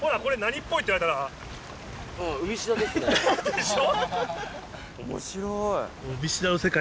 でしょ？